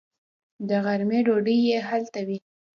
د غرمې ډوډۍ یې هلته وي.